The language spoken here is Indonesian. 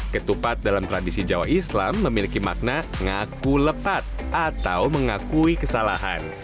ketupat dalam tradisi jawa islam memiliki makna ngaku lepat atau mengakui kesalahan